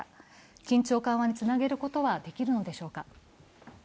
緊張緩和につなげることはできるのでしょうか。